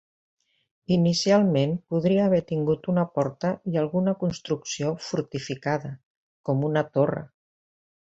Inicialment podria haver tingut una porta i alguna construcció fortificada, com una torre.